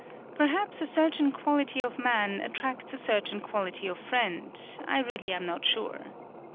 Perhaps a certain quality of man attracts a certain quality of friend I really am not sure.